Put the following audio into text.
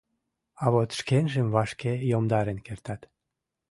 А вот шкенжым вашке йомдарен кертат.